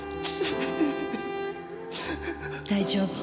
大丈夫。